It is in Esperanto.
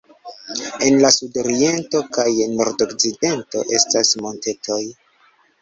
En la sudoriento kaj nordokcidento estas montetoj.